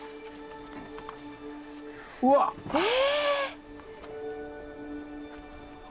うわっ。え。